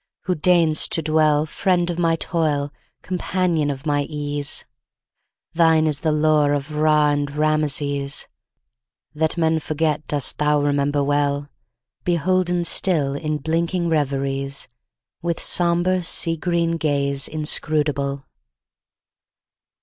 who deign'st to dwellFriend of my toil, companion of mine ease, Thine is the lore of Ra and Rameses; That men forget dost thou remember well, Beholden still in blinking reveriesWith sombre, sea green gaze inscrutable.